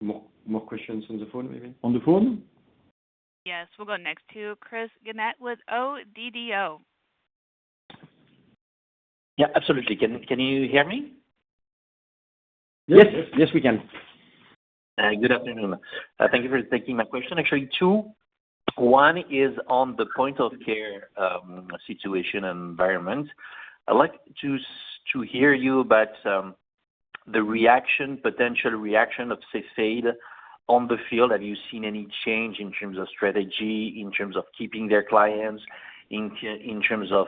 more questions on the phone, maybe? On the phone? Yes. We'll go next to Christ Ganet with ODDO. Yeah, absolutely. Can you hear me? Yes, yes, we can. Good afternoon. Thank you for taking my question. Actually, two. One is on the point of care situation and environment. I'd like to hear you, but the reaction, potential reaction of Cepheid on the field. Have you seen any change in terms of strategy, in terms of keeping their clients, in terms of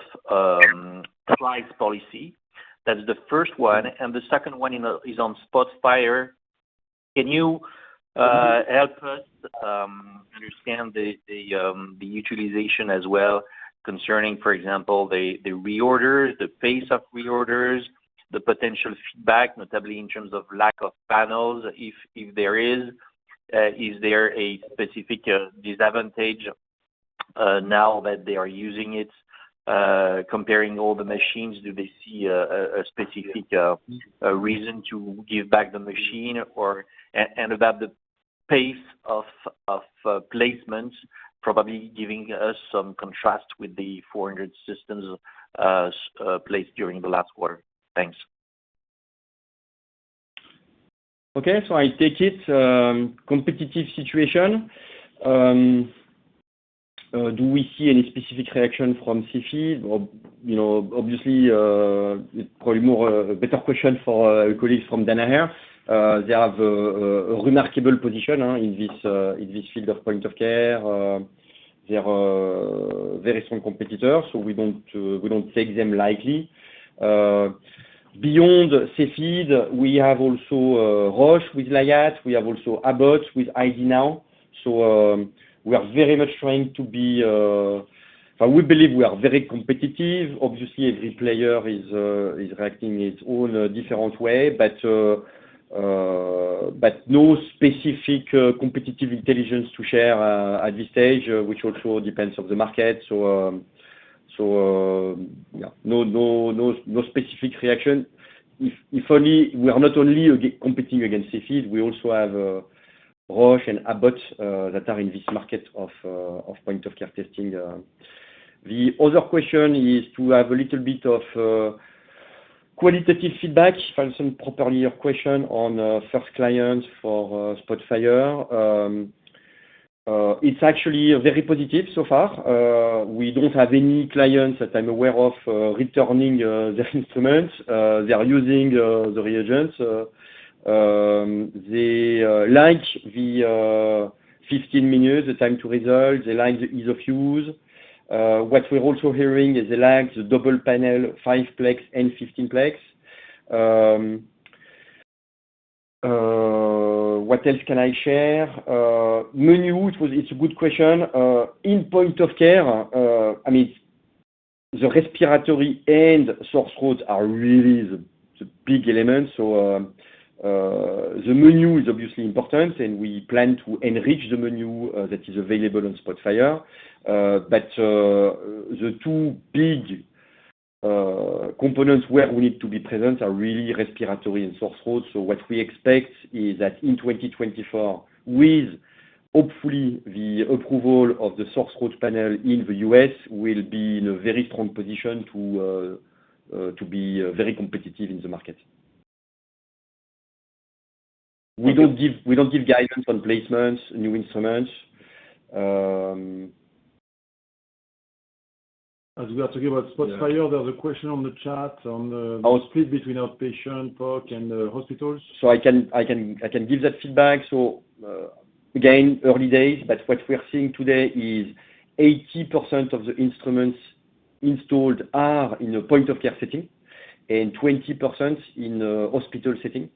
client policy? That's the first one, and the second one is on SPOTFIRE. Can you help us understand the utilization as well concerning, for example, the reorders, the pace of reorders, the potential feedback, notably in terms of lack of panels, if there is? Is there a specific disadvantage now that they are using it, comparing all the machines, do they see a specific reason to give back the machine? Or, and about the pace of placements, probably giving us some contrast with the 400 systems placed during the last quarter. Thanks. Okay. So I take it, competitive situation. Do we see any specific reaction from Cepheid? Or, you know, obviously, it's probably more a better question for a colleague from Danaher. They have a remarkable position in this field of point of care. They are a very strong competitor, so we don't take them lightly. Beyond Cepheid, we have also Roche with Liat, we have also Abbott with ID NOW. So, we are very much trying to be... But we believe we are very competitive. Obviously, every player is reacting its own different way. But no specific competitive intelligence to share at this stage, which also depends on the market. So, so, yeah, no, no, no, no specific reaction. If only, we are not only competing against Cepheid, we also have Roche and Abbott that are in this market of point-of-care testing. The other question is to have a little bit of qualitative feedback from some reply to your question on first clients for SPOTFIRE. It's actually very positive so far. We don't have any clients that I'm aware of returning their instruments. They are using the reagents. They like the 15 minutes, the time to result, they like the ease of use. What we're also hearing is they like the double panel, 5-plex and 15-plex. What else can I share? Menu, it was—it's a good question. In point of care, I mean, the respiratory and sore throat are really the big elements. So, the menu is obviously important, and we plan to enrich the menu that is available on SPOTFIRE. But, the two big components where we need to be present are really respiratory and sore throat. So what we expect is that in 2024, with hopefully the approval of the sore throat panel in the U.S., we'll be in a very strong position to be very competitive in the market. We don't give guidance on placements, new instruments. As we are talking about SPOTFIRE, there's a question on the chat on the split between outpatient, POC, and hospitals. So I can give that feedback. So, again, early days. But what we are seeing today is 80% of the instruments installed are in a point-of-care setting, and 20% in a hospital setting.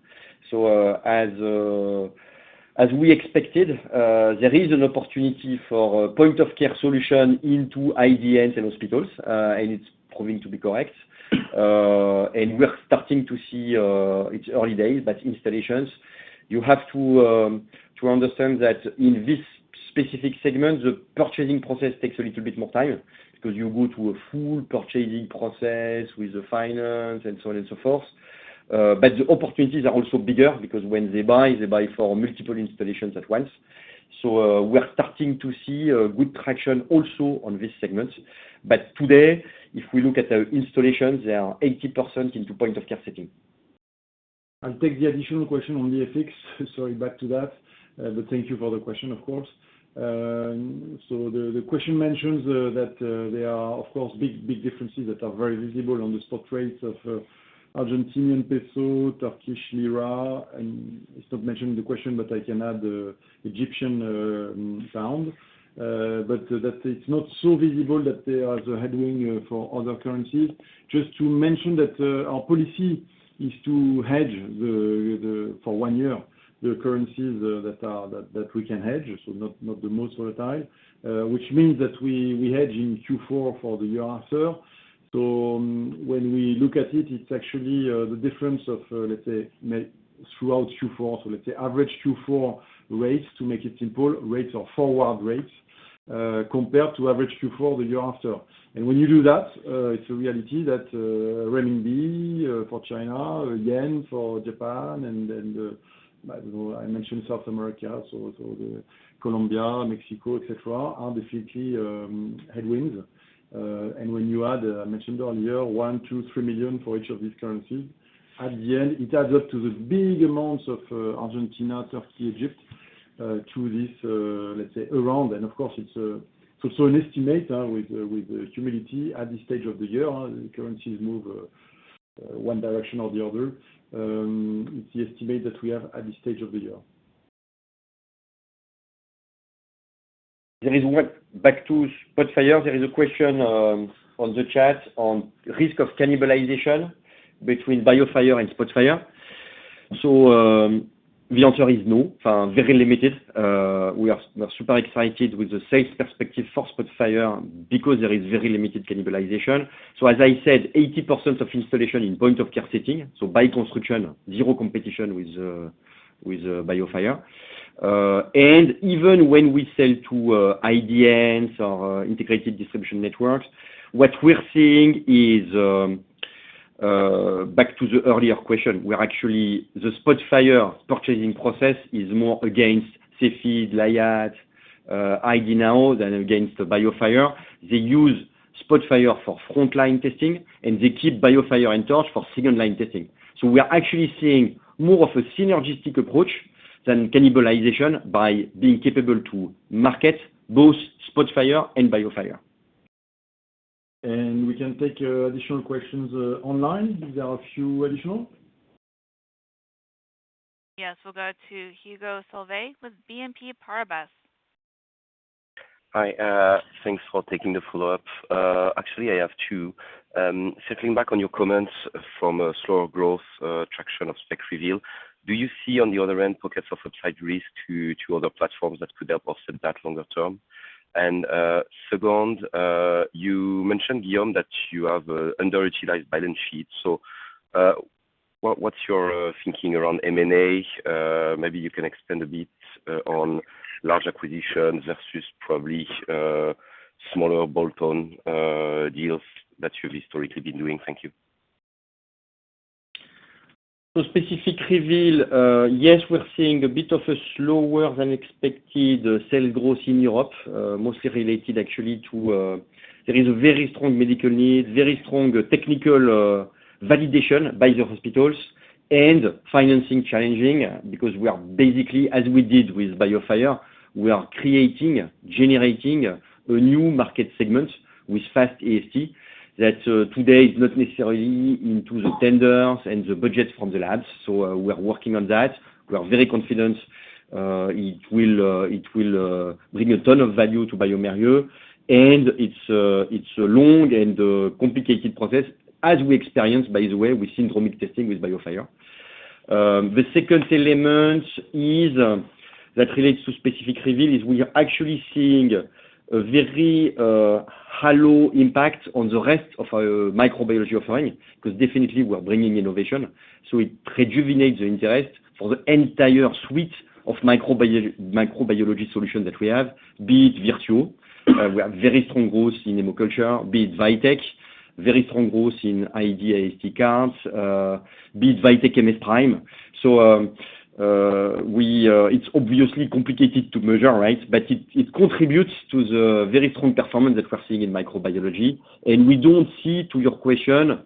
So, as we expected, there is an opportunity for a point-of-care solution into IDNs and hospitals, and it's proving to be correct. And we're starting to see, it's early days, but installations. You have to understand that in this specific segment, the purchasing process takes a little bit more time, because you go through a full purchasing process with the finance and so on and so forth. But the opportunities are also bigger, because when they buy, they buy for multiple installations at once. We're starting to see good traction also on this segment. But today, if we look at the installations, they are 80% into point-of-care setting. I'll take the additional question on the FX. Sorry, back to that, but thank you for the question, of course. So the question mentions that there are, of course, big differences that are very visible on the exchange rates of Argentine peso, Turkish lira, and it's not mentioned in the question, but I can add Egyptian pound. But that it's not so visible that they are the headwind for other currencies. Just to mention that our policy is to hedge for one year the currencies that we can hedge, so not the most volatile. Which means that we hedge in Q4 for the year after. So when we look at it, it's actually the difference of, let's say, maybe throughout Q4. So let's say average Q4 rates to make it simple, rates or forward rates, compared to average Q4 the year after. And when you do that, it's a reality that renminbi for China, again, for Japan and I don't know, I mentioned South America, so the Colombia, Mexico, et cetera, are definitely headwinds. And when you add, I mentioned earlier, 1 million, 2 million, 3 million for each of these currencies, at the end, it adds up to the big amounts of Argentina, Turkey, Egypt to this, let's say, around. And of course, it's so an estimate with humility at this stage of the year, the currencies move one direction or the other. It's the estimate that we have at this stage of the year. Back to SPOTFIRE, there is a question on the chat on risk of cannibalization between BIOFIRE and SPOTFIRE. So, the answer is no. Very limited. We are super excited with the sales perspective for SPOTFIRE because there is very limited cannibalization. So as I said, 80% of installation in point-of-care setting, so by construction, zero competition with BIOFIRE. And even when we sell to IDNs or integrated distribution networks, what we're seeing is, back to the earlier question. We are actually, the SPOTFIRE purchasing process is more against Cepheid, Liat, ID NOW than against the BIOFIRE. They use SPOTFIRE for frontline testing, and they keep BIOFIRE in touch for second line testing. We are actually seeing more of a synergistic approach than cannibalization by being capable to market both SPOTFIRE and BIOFIRE. And we can take additional questions online. There are a few additional? Yes, we'll go to Hugo Solvet with BNP Paribas Exane. Hi, thanks for taking the follow-up. Actually, I have two. Circling back on your comments from slower growth traction of SPECIFIC REVEAL. Do you see on the other end, pockets of upside risk to other platforms that could help offset that longer term? Second, you mentioned, Guillaume, that you have an underutilized balance sheet. So, what's your thinking around M&A? Maybe you can expand a bit on large acquisitions versus probably smaller bolt-on deals that you've historically been doing. Thank you. So SPECIFIC REVEAL, yes, we're seeing a bit of a slower than expected sale growth in Europe. Mostly related actually to, there is a very strong medical need, very strong technical, validation by the hospitals and financing challenging, because we are basically, as we did with BIOFIRE. We are creating, generating a new market segment with Fast AST, that, today is not necessarily into the tenders and the budget from the labs. So, we are working on that. We are very confident, it will, it will, bring a ton of value to bioMérieux, and it's a, it's a long and, complicated process, as we experienced, by the way, with syndromic testing with BIOFIRE. The second element is that relates to SPECIFIC REVEAL, is we are actually seeing a very halo impact on the rest of our microbiology offering, because definitely we're bringing innovation. So it rejuvenates the interest for the entire suite of microbiology solution that we have, be it VIRTUO. We have very strong growth in hemoculture, be it VITEK, very strong growth in ID AST counts, be it VITEK MS PRIME. So, it's obviously complicated to measure, right? But it contributes to the very strong performance that we're seeing in microbiology, and we don't see, to your question,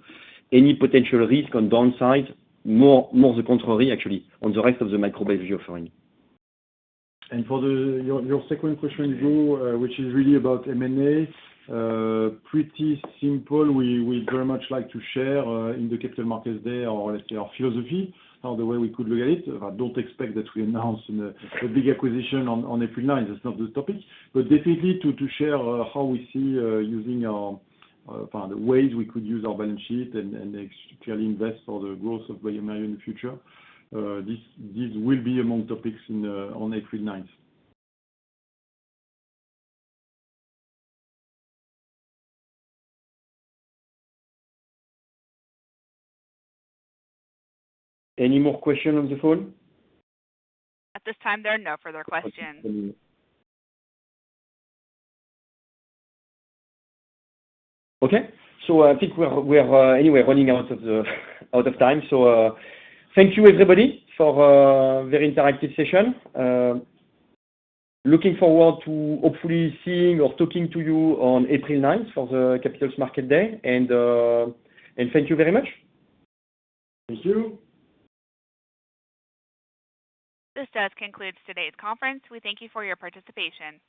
any potential risk on downside, more the contrary, actually, on the rest of the microbiology offering. And for your second question, Hugo, which is really about M&A, pretty simple. We very much like to share, in the Capital Markets Day, our, let's say, our philosophy, or the way we could look at it. I don't expect that we announce in a big acquisition on April 9th. That's not the topic. But definitely to share, how we see, using our, find the ways we could use our balance sheet and clearly invest for the growth of bioMérieux in the future. This will be among topics on April 9th. Any more questions on the phone? At this time, there are no further questions. Okay. So I think we're anyway running out of time. So, thank you, everybody, for a very interactive session. Looking forward to hopefully seeing or talking to you on April 9th for the Capital Markets Day. And thank you very much. Thank you. This does conclude today's conference. We thank you for your participation.